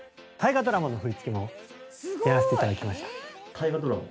大河ドラマ？